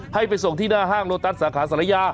ให้ไปส่งที่หน้าห้างโลตัสสาขาศาลยา